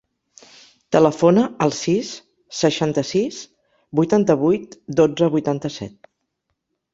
Telefona al sis, seixanta-sis, vuitanta-vuit, dotze, vuitanta-set.